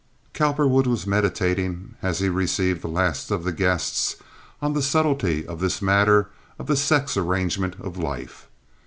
Cowperwood was meditating, as he received the last of the guests, on the subtlety of this matter of the sex arrangement of life.